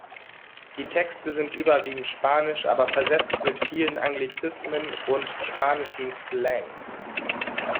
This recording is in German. Die Texte sind überwiegend spanisch, aber versetzt mit vielen Anglizismen und spanischem Slang.